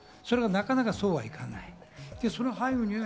それがなかなかそうはいかない。